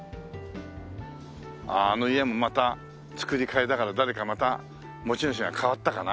あああの家もまた造り替えだから誰かまた持ち主が変わったかな？